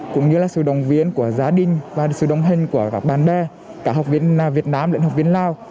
cũng như là sự đồng viên của gia đình và sự đồng hình của các bạn bè cả học viên việt nam lệnh học viên lào